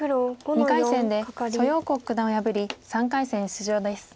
２回戦で蘇耀国九段を破り３回戦出場です。